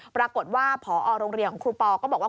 ปรากฏว่าพอโรงเรียนของครูปอก็บอกว่า